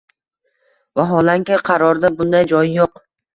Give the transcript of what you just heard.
Vaholanki, qarorda bunday joyi yo‘q.